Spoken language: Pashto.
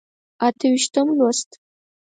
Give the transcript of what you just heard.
اته ویشتم لوست.